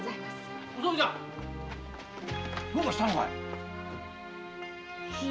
どうかしたのかい？